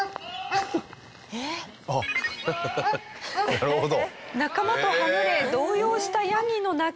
なるほど。